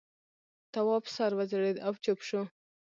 تواب سر وځړېد او چوپ شو.